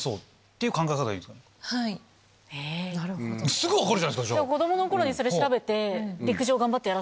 すぐ分かるじゃないですか。